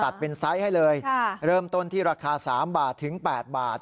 ตัดเป็นไซส์ให้เลยครับเริ่มต้นที่ราคาสามบาทถึงแปดบาท